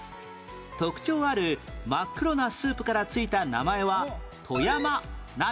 特徴ある真っ黒なスープからついた名前は富山何？